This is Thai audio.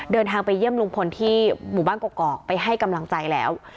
เดินทางไปเยี่ยมลุงพลที่หมู่บ้านกอกไปให้กำลังใจแล้ว